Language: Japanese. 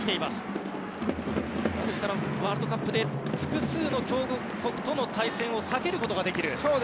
ですから、ワールドカップで複数の強豪国との対戦を避けることができる。